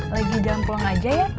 lagi jalan pulang aja ya